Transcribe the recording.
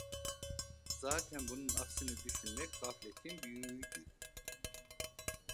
Zaten bunun aksini düşünmek gafletin büyüğüydü.